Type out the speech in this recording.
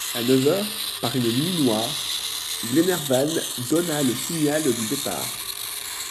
À neuf heures, par une nuit noire, Glenarvan donna le signal du départ.